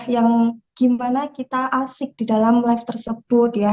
yang gimana kita asik di dalam live tersebut ya